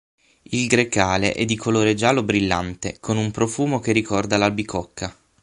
Il Grecale è di colore giallo brillante, con un profumo che ricorda l'albicocca.